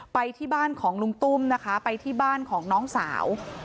ไปที่บ้านของลุงตุ้มนะคะไปที่บ้านของน้องสาว